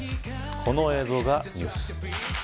この映像がニュース。